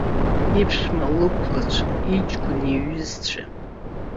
Иԥшәма лықәлацәа, иҷкәын иҩызцәа.